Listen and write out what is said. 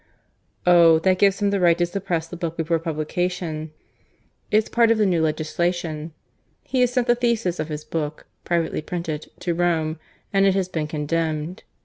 "Oh! that gives him the right to suppress the book before publication. It's part of the new legislation. He has sent the thesis of his book, privately printed, to Rome, and it has been condemned.